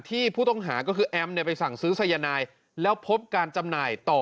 ผู้ต้องหาก็คือแอมเนี่ยไปสั่งซื้อสายนายแล้วพบการจำหน่ายต่อ